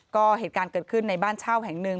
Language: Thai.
ก็เหตุการณ์เกิดขึ้นในบ้านเช่าแห่งหนึ่ง